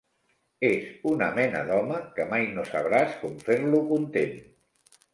És una mena d'home que mai no sabràs com fer-lo content.